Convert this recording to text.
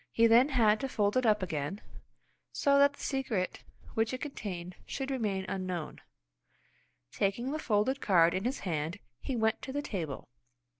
He then had to fold it up again, so that the secret which it contained should remain unknown. Taking the folded card in his hand, he went to the table.